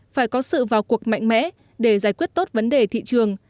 phải có sự vào cuộc mạnh mẽ để giải quyết tốt vấn đề thị trường